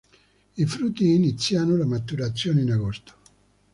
I frutti Iniziano la maturazione in agosto.